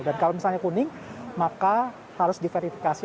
dan kalau misalnya kuning maka harus diverifikasi